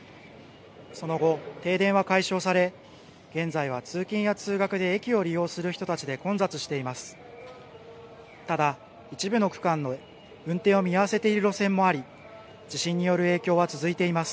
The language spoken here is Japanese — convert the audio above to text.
その後、停電は解消され現在は通勤や通学で駅を利用する人たちで混雑しています。